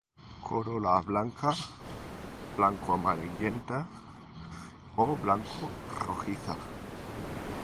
Corola blanca, blanco-amarillenta o blanco-rojiza.